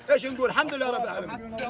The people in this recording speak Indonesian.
isyundul hamdulillah rabba' alamin